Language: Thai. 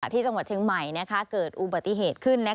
ที่จังหวัดเชียงใหม่เกิดอุบัติเหตุขึ้น